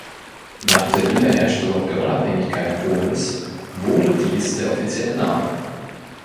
Nach der Wiederherstellung der Unabhängigkeit Polens wurde dies der offizielle Name.